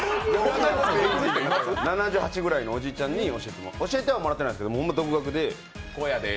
７８ぐらいのおじいちゃん、教えてはもらってはいないですけど独学で。